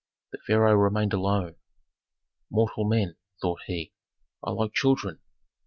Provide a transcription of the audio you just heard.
The pharaoh remained alone. "Mortal men," thought he, "are like children.